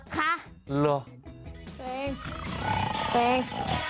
ตัวเองตัวเอง